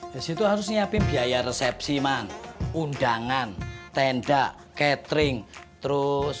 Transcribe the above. di situ harus nyiapin biaya resepsi man undangan tenda catering terus